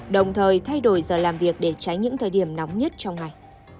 đồng thời thay đổi giờ làm việc để tránh những thời điểm nóng nhất trong ngày